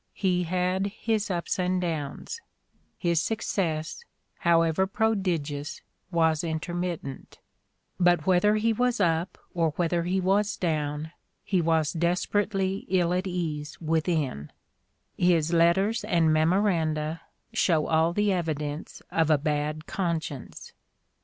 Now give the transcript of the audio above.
He had his ups and downs, his success, however prodigious, was intermittent ; but whether he was up or whether he was down he was desperately ill at ease within: his letters and memoranda show all the evidence of a "bad con science."